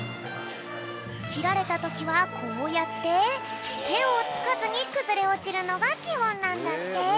きられたときはこうやっててをつかずにくずれおちるのがきほんなんだって。